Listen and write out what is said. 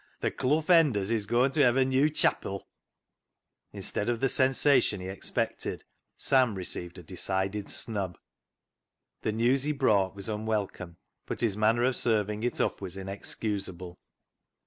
th' Clough Enders is goin' ta hev' a new chapil." Instead of the sensation he expected Sam received a decided snub. The news he brought was unwelcome, but his manner of serving it up was inexcusable.